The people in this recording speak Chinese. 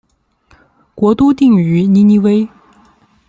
国都定于尼尼微。